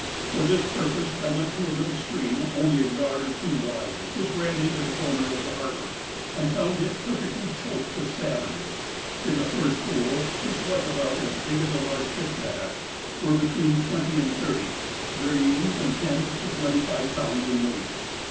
For this purpose I went to a little stream only a yard or two wide, which ran into the corner of the harbour, and found it perfectly choked with salmon; in the first pool, which was about as big as a large hip bath, were between twenty and thirty, varying from ten to twenty five pounds in weight.